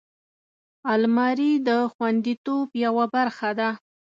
الماري د خوندیتوب یوه برخه ده